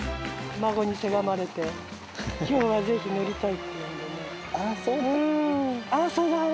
孫にせがまれて、きょうはぜひ乗りたいっていうんでね。